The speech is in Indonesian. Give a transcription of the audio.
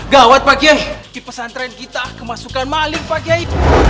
gawat pak kiai di pesantren kita kemasukan maling pak kiai